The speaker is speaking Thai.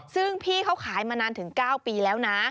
ซึ่งพี่เขาขายมานานถึง๙ปีแล้วนะ